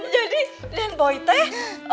jadi dan boy teh